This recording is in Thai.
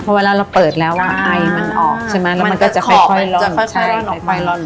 เพราะเวลาเราเปิดแล้วอ่ะไอมันออกใช่ไหมแล้วมันก็จะค่อยค่อยร่อนใช่ค่อยค่อยร่อน